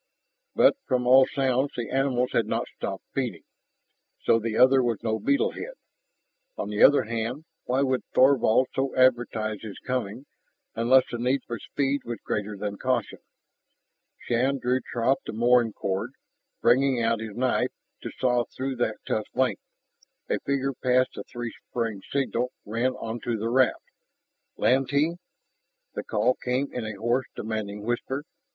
But from all sounds the animals had not stopped feeding. So the other was no beetle head. On the other hand, why would Thorvald so advertise his coming, unless the need for speed was greater than caution? Shann drew taut the mooring cord, bringing out his knife to saw through that tough length. A figure passed the three sprig signal, ran onto the raft. "Lantee?" The call came in a hoarse, demanding whisper.